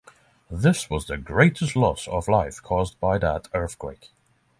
This was the greatest loss of life caused by that earthquake.